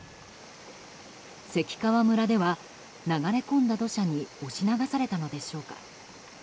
関川村では流れ込んだ土砂に押し流されたのでしょうか。